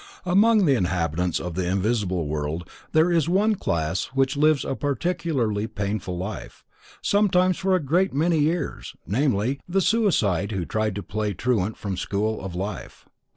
Among the inhabitants of the invisible world there is one class which lives a particularly painful life, sometimes for a great many years, namely, the suicide who tried to play truant from the school of life.